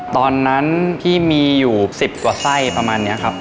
ตอนนั้นพี่มีอยู่๑๐กว่าไส้ประมาณนี้ครับ